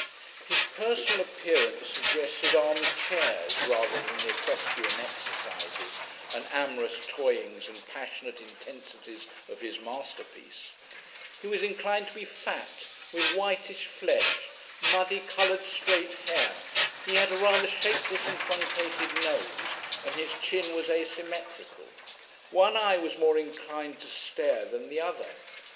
His personal appearance suggested arm chairs, rather than the equestrian exercises and amorous toyings and passionate intensities of his masterpiece; he was inclined to be fat, with whitish flesh, muddy coloured straight hair, he had a rather shapeless and truncated nose and his chin was asymmetrical. One eye was more inclined to stare than the other.